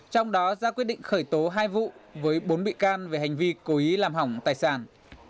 trong đó ra quyết định khởi tố hai vụ với bốn bị can về hành vi cố ý làm hỏng tài sản